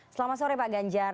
selamat sore pak ganjar